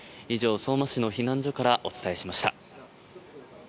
以上、相馬市の避難所からお伝えしました。